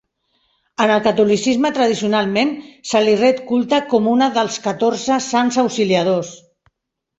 En el catolicisme tradicionalment se li ret culte com una dels catorze sants auxiliadors.